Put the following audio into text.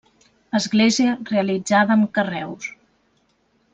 Església realitzada amb carreus.